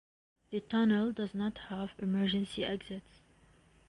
The tunnel does not have emergency exits.